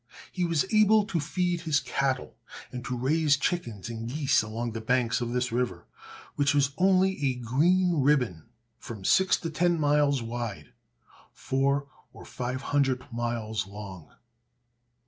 He was able to feed his cattle, and to raise chickens and geese along the banks of this river, which was only a green ribbon, from six to ten miles wide, four or five hundred miles long.